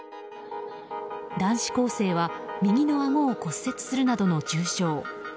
男子高生は右のあごを骨折するなどの重傷。